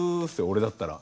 俺だったら。